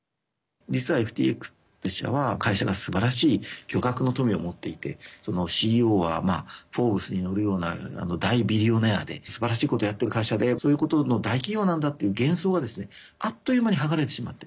実はＦＴＸ社は、会社がすばらしい巨額の富を持っていてそのＣＥＯは「フォーブス」に載るような大ビリオネアーですばらしいことをやってる会社でそういうことの大企業なんだっていう幻想があっという間にはがれてしまって。